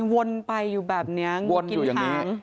วนไปอยู่แบบนี้งูกินหาง